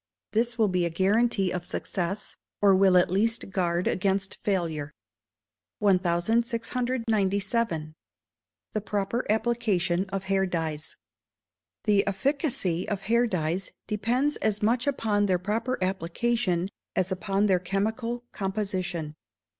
This will be a guarantee of success, or will at least guard against failure. 1697. The proper Application of Hair Dyes. The efficacy of hair dyes depends as much upon their proper application as upon their chemical composition.